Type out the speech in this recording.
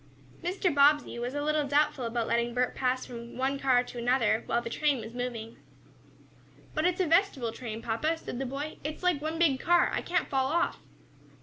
Mr. Bobbsey was a little doubtful about letting Bert pass from one car to another when the train was moving. "But it's a vestibule train, papa," said the boy. "It's like one big car. I can't fall off."